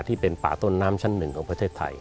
ที่เป็นป่าต้นน้ำชั้นหนึ่งของประเทศไทย